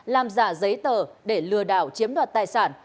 làm giả giấy tờ để lừa đảo chiếm đoạt tài sản